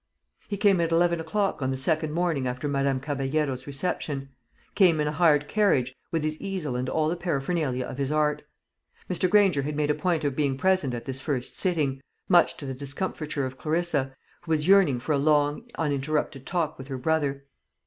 He came at eleven o'clock on the second morning after Madame Caballero's reception; came in a hired carriage, with his easel and all the paraphernalia of his art. Mr. Granger had made a point of being present at this first sitting, much to the discomfiture of Clarissa, who was yearning for a long uninterrupted talk with her brother.